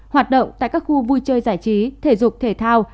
hoạt động tại các khu vui chơi giải trí thể dục thể thao